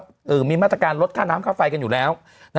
มีมาตรการลดค่าน้ำค่าไฟกันอยู่แล้ว